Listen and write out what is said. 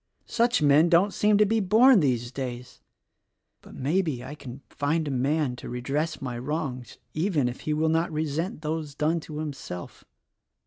Such men don't seem to be born these days. But. maybe, I can find a man to redress my wrongs, even if he will not resent those done to himself.